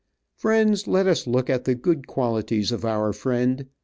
Friends let us look at the good qualities of our friend.